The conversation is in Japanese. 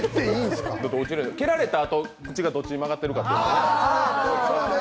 蹴られたあと、口がどっちに曲がってるかってね。